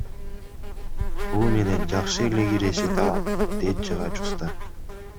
Бул менен жакшы эле киреше табам, — дейт жыгач уста.